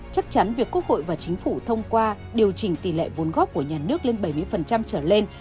chắc chắn việc quốc hội và chính phủ thông qua điều chỉnh tỷ lệ vốn góp của nhà nước lên bảy mươi trở lên